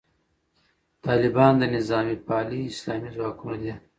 طالبان د نظامي پالي اسلام ځواکونه دي.